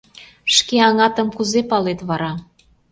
— Шке аҥатым кузе палет вара?